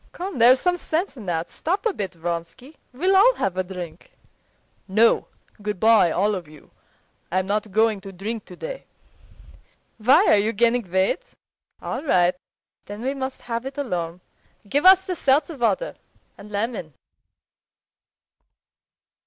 "Come, there's some sense in that. Stop a bit, Vronsky. We'll all have a drink." "No; good bye all of you. I'm not going to drink today." "Why, are you gaining weight? All right, then we must have it alone. Give us the seltzer water and lemon."